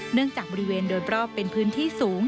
จากบริเวณโดยรอบเป็นพื้นที่สูง